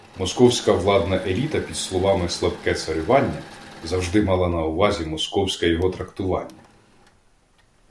Московська владна еліта під словами «слабке царювання» завжди мала на увазі московське його трактування